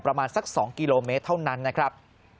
ประมาณสัก๒กิโลเมตรเท่านั้นนะครับ